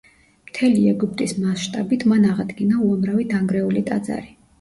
მთელი ეგვიპტის მასშტაბით მან აღადგინა უამრავი დანგრეული ტაძარი.